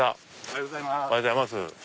おはようございます。